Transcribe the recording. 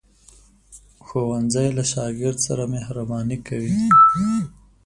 ښوونځی له شاګرد سره مهرباني کوي